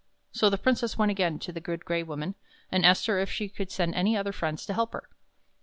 So the Princess went again to the Good Gray Woman, and asked her if she could send any other friends to help her.